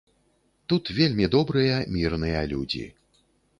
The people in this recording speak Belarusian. Тут вельмі добрыя мірныя людзі.